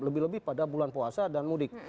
lebih lebih pada bulan puasa dan mudik